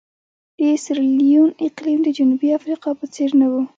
د سیریلیون اقلیم د جنوبي افریقا په څېر نه وو.